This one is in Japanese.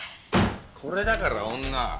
これだから女は。